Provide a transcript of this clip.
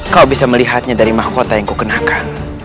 kau bisa melihatnya dari mahkota yang kukenakan